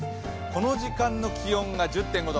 この時間の気温が１０．５度。